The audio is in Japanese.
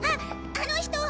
あの人！